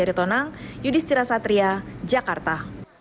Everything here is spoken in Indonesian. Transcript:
ari tonang yudhistira satria jakarta